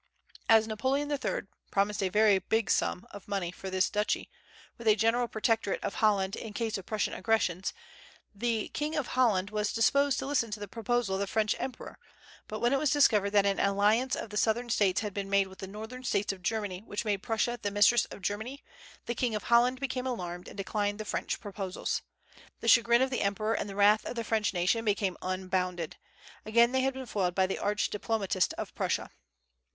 As Napoleon III, promised a very big sum of money for this duchy, with a general protectorate of Holland in case of Prussian aggressions, the king of Holland was disposed to listen to the proposal of the French emperor; but when it was discovered that an alliance of the southern States had been made with the northern States of Germany, which made Prussia the mistress of Germany, the king of Holland became alarmed, and declined the French proposals. The chagrin of the emperor and the wrath of the French nation became unbounded. Again they had been foiled by the arch diplomatist of Prussia.